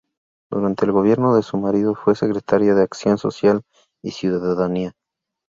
Durante el gobierno de su marido fue secretaria de Acción Social y Ciudadanía.